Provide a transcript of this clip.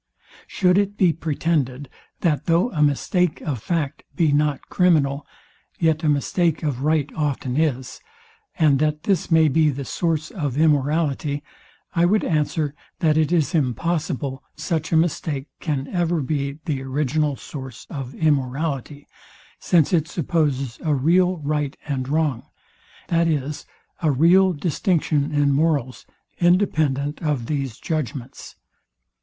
Should it be pretended, that though a mistake of fact be not criminal, yet a mistake of right often is; and that this may be the source of immorality: I would answer, that it is impossible such a mistake can ever be the original source of immorality, since it supposes a real right and wrong; that is, a real distinction in morals, independent of these judgments.